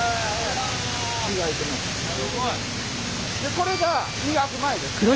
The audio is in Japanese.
これが磨く前です。